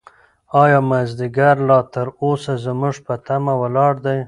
ایا مازیګر لا تر اوسه زموږ په تمه ولاړ دی؟